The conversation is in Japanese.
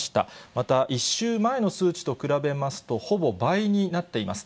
また、１週前の数値と比べますと、ほぼ倍になっています。